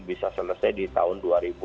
bisa selesai di tahun dua ribu dua puluh